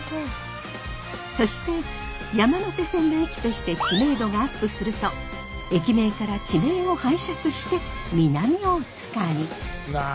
そして山手線の駅として知名度がアップすると駅名から地名を拝借して南大塚に。